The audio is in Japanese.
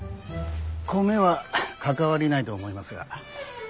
米は関わりないと思いますが。